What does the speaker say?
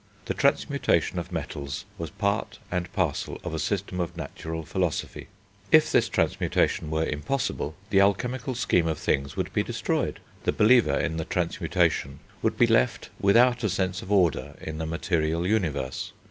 The transmutation of metals was part and parcel of a system of natural philosophy. If this transmutation were impossible, the alchemical scheme of things would be destroyed, the believer in the transmutation would be left without a sense of order in the material universe.